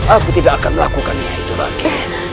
aku tidak akan melakukan hal itu lagi